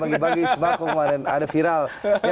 bagi bagi sembako kemarin ada viral